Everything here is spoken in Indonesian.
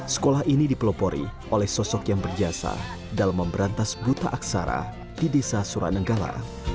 sekolah ini dipelopori oleh sosok yang berjasa dalam memberantas buta aksara di desa suranenggala